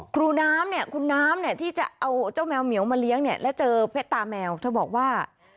คุณน้ำเนี่ยที่จะเอาเจ้าแมวเหมียวมาเลี้ยงและเจอเพชรตาแมวเธอบอกว่า